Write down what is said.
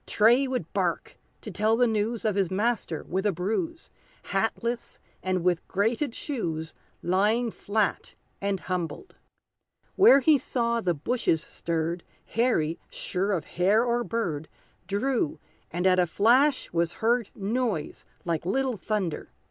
Tray would bark to tell the news Of his master with a bruise, Hatless, and with grated shoes, Lying flat and humbled! Where he saw the bushes stirred, Harry, sure of hare or bird, Drew, and at a flash was heard Noise like little thunder.